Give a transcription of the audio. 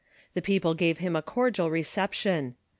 The people gave him a cordial reception.